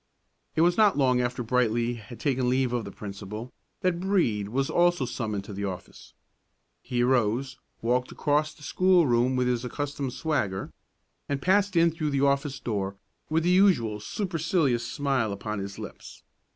It was not long after Brightly had taken leave of the principal that Brede was also summoned to the office. He arose, walked across the schoolroom with his accustomed swagger, and passed in through the office door with the usual supercilious smile upon his lips.